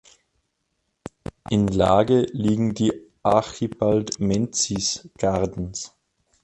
In Lange liegen die Archibald Menzies Gardens.